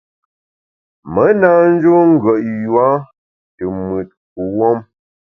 Me na njun ngùet yua te mùt kuwuom.